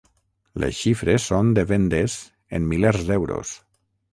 Les xifres són de vendes en milers d'euros.